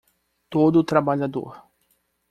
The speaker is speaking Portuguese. Todo trabalhador